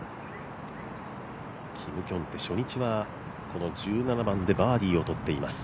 キム・キョンテ、初日は１７番でバーディーを取っています。